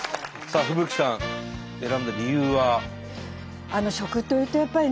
さあ風吹さん選んだ理由は？